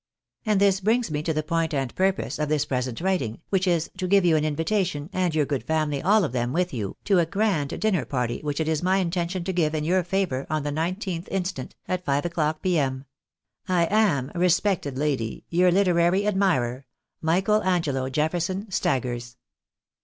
And this brings me to the point and purpose of this pre sent writing, which is to give you an invitation, and your good family all of them with you, to a grand dinner party which it is my intention to give in your favour on the 19th inst., at five o'clock P.M. "I am, respected lady, " Your hterary admirer, "Michael Angelo Jeffehson Staggers."